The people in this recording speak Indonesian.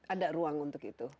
ada ruang untuk itu